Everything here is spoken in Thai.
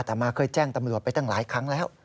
แต่มาเคยแจ้งตำรวจไปตั้งหลายครั้งแล้ว